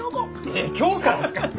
えっ今日からっすか。